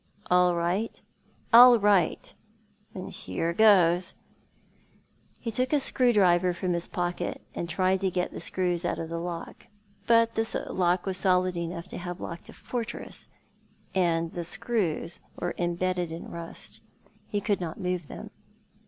" All right ?" "All right!" " Then here goes !" He took a screw driver from his pocket, and tried to get the screws out of the lock, but the lock was solid enough to have locked a fortress, and the screws were embedded in rust. He could not move them.